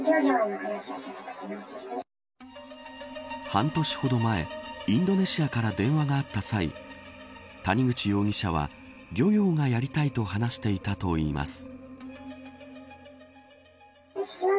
半年ほど前インドネシアから電話があった際谷口容疑者は漁業がやりたいと話していたといいます。